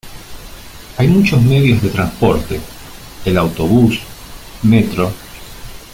Hay muchos medios de transporte: el autobús, metro...